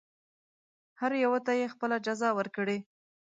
هر یوه ته یې خپله جزا ورکړي.